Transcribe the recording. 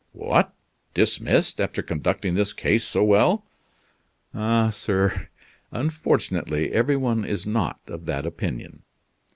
"What, dismissed, after conducting this case so well?" "Ah, sir, unfortunately every one is not of that opinion.